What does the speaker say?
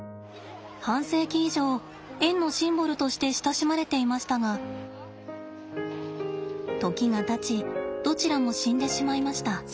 半世紀以上園のシンボルとして親しまれていましたが時がたちどちらも死んでしまいました。